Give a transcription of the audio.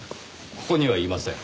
ここにはいません。